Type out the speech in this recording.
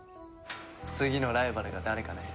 次のライバルが誰かね。